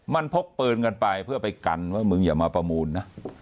มันพกปืนกันไปเพื่อไปกันว่ามึงอย่ามาประมูลนะ